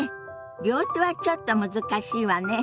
両手はちょっと難しいわね。